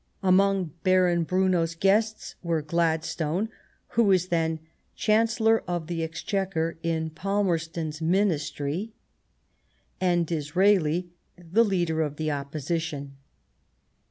Among Baron Brunnow's guests were Gladstone, who was then Chancellor of the Exchequer in Pal merston's Ministry, and Disraeli, the Leader of the Opposition.